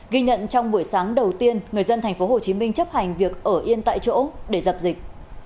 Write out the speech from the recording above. ghi nhận trong buổi sáng đầu tiên người dân tp hcm chấp hành việc ở yên tại chỗ để dập dịch